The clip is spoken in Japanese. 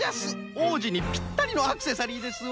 おうじにぴったりのアクセサリーですわ。